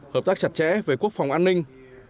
hợp tác chặt chẽ với quốc phòng an ninh